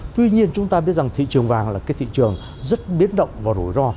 tuy nhiên chúng ta biết rằng thị trường vàng là cái thị trường rất biến động và rủi ro